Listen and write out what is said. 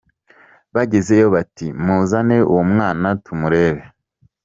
Bagezeyo bati: “muzane uwo mwana tumurebe”.